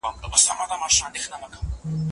د زکات په ورکولو کي سستي مه کوئ.